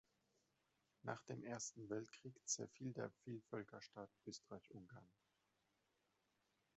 Nach dem Ersten Weltkrieg zerfiel der Vielvölkerstaat Österreich-Ungarn.